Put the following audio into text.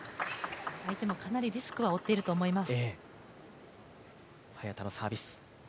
相手もかなりリスクは負っていると思います。